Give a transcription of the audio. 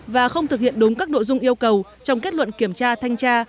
và không thực hiện đúng các nội dung yêu cầu trong kết luận kiểm tra thanh tra